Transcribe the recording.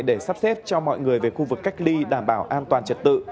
để sắp xếp cho mọi người về khu vực cách ly đảm bảo an toàn trật tự